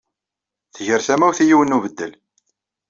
Tger tamawt i yiwen n ubeddel.